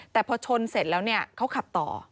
แต่พอชนเสร็จแล้วเนี่ยเขาขับต่อ